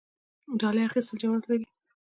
ډالۍ اخیستل جواز لري؟